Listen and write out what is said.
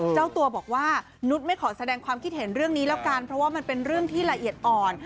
เจ้าตัวบอกว่านุษย์ไม่ขอแสดงความคิดเห็นเรื่องนี้แล้วกันเพราะว่ามันเป็นเรื่องที่ละเอียดอ่อน